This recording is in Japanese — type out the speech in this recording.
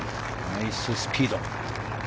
ナイススピード。